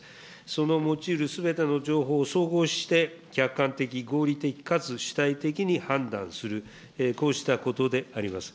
その持ちうるすべての情報を総合して客観的、合理的かつ主体的に判断する、こうしたことであります。